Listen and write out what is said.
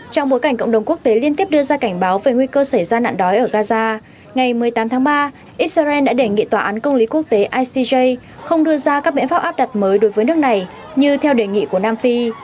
trong bối cảnh cộng đồng quốc tế liên tiếp đưa ra cảnh báo về nguy cơ xảy ra nạn đói ở gaza ngày một mươi tám tháng ba israel đã đề nghị tòa án công lý quốc tế icj không đưa ra các biện pháp áp đặt mới đối với nước này như theo đề nghị của nam phi